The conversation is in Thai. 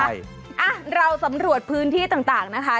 ใช่อ่ะเราสำรวจพื้นที่ต่างนะคะ